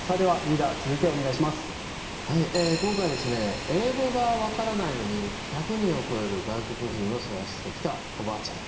今回英語が分からないのに１００人を超える外国人を支えてきたおばあちゃん。